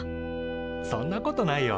そんなことないよ。